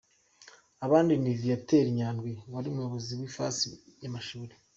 Abandi ni Viateur Nyandwi wari umuyobozi w’ifasi y’amashuri.